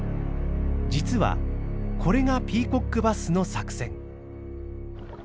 実はこれがピーコックバスの作戦。